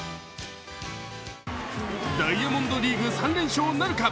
ダイヤモンドリーグ３連勝なるか。